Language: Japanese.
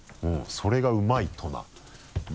それがうまいとな？と。